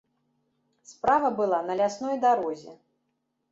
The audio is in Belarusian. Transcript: Справа была на лясной дарозе.